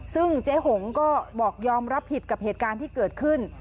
ซึ่งเจ๊หงก็บอกยอมรับผิดกับเหตุการณ์ที่เกิดขึ้น